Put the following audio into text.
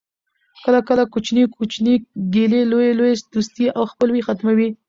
کله کله کوچنۍ کوچنۍ ګیلې لویي لویي دوستۍ او خپلوۍ ختموي